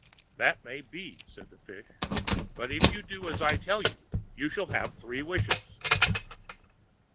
"That may be," said the fish; "but if you do as I tell you, you shall have three wishes."